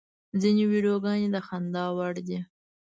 ځینې ویډیوګانې د خندا وړ دي.